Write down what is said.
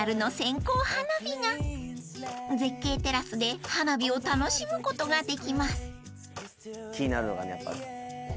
［絶景テラスで花火を楽しむことができます］